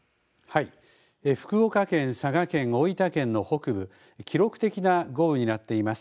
福岡県、佐賀県、大分県の北部、記録的な豪雨になっています。